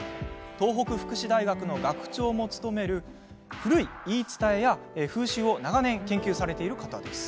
東北福祉大学の学長も務め古い言い伝えや風習を長年研究しています。